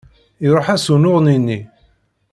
Iruḥ-as unuɣni-nni.